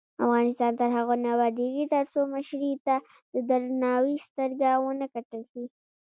افغانستان تر هغو نه ابادیږي، ترڅو مشرې ته د درناوي سترګه ونه کتل شي.